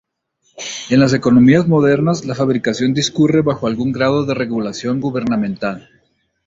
En las economías modernas, la fabricación discurre bajo algún grado de regulación gubernamental.